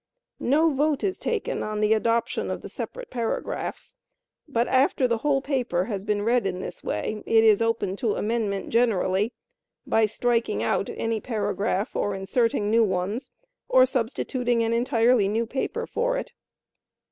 No vote is taken on the adoption of the separate paragraphs, but after the whole paper has been read in this way, it is open to amendment, generally, by striking out any paragraph or inserting new ones, or by substituting an entirely new paper for it.